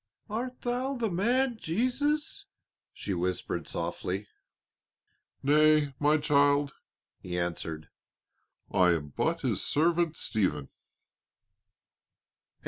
"Art thou the man Jesus?" she whispered softly. "Nay, my child," he answered, "I am but his servant Stephen."